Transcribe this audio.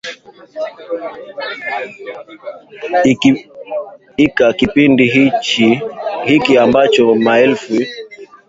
ika kipindi hiki ambacho maelfu ya wananchi wanaishi kwenye mahema